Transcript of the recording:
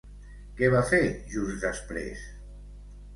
Què va fer just després?